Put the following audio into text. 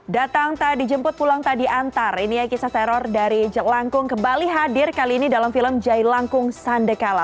datang tadi jemput pulang tadi antar ini ya kisah teror dari jelangkung kembali hadir kali ini dalam film jailangkung sandekala